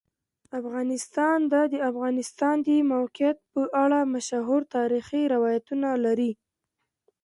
افغانستان د د افغانستان د موقعیت په اړه مشهور تاریخی روایتونه لري.